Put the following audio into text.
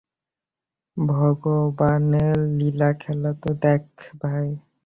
ভগবানের লীলাখেলা তো দেখ, ভাই।